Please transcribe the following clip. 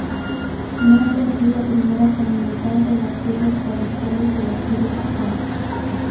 Nace así la primera comunidad de las Siervas Parroquiales del Espíritu Santo.